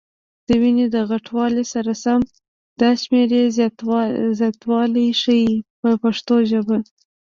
د ونې د غټوالي سره سم دا شمېر زیاتېدلای شي په پښتو ژبه.